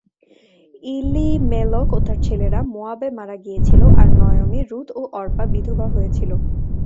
ইলীমেলক ও তার ছেলেরা মোয়াবে মারা গিয়েছিল আর নয়মী, রূৎ ও অর্পা বিধবা হয়েছিল।